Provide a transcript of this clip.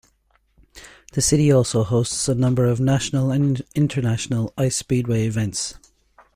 The city also hosts a number of National and International Ice Speedway events.